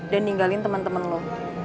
dan ninggalin temen temen lo